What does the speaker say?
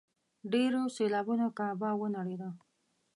ډېرو سېلابونو کعبه ونړېده.